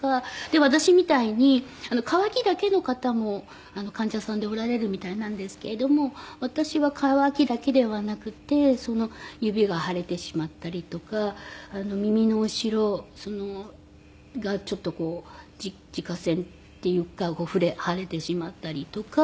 私みたいに渇きだけの方も患者さんでおられるみたいなんですけれども私は渇きだけではなくて指が腫れてしまったりとか耳の後ろがちょっとこう耳下腺っていうか腫れてしまったりとか。